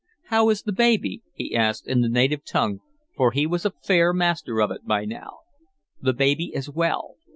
How is the baby?" he asked in the Indian tongue, for he was a fair master of it by now. "The baby is well.